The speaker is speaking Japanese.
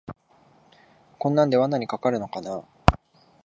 こんなんで罠にかかるのかなあ